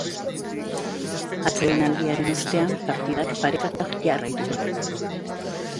Atsedenaldiaren ostean partidak parekatuta jarraitu du.